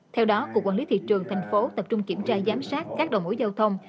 theo đó cục quản lý thị trường thành phố tập trung kiểm tra giám sát các đầu mối giao thông